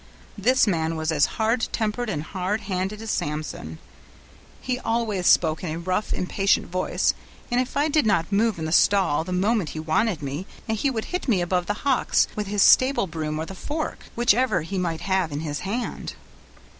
This man was as hard tempered and hard handed as Samson; he always spoke in a rough, impatient voice, and if I did not move in the stall the moment he wanted me, he would hit me above the hocks with his stable broom or the fork, whichever he might have in his hand.